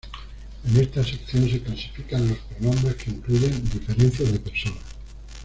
En esta sección se clasifican los pronombres que incluyen diferencias de persona.